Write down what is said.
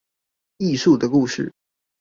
藝術的故事